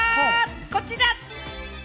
こちら！